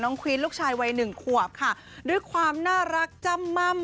ควีนลูกชายวัยหนึ่งขวบค่ะด้วยความน่ารักจ้ำม่ำ